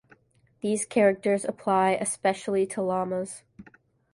These characters apply especially to llamas.